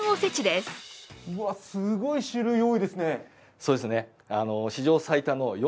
すごい種類、多いですね。